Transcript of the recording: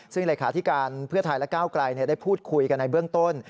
ซึ่งเลขาธิการเพื่อไทยและก้าวไกลได้พูดคุยกันในเบื้องต้น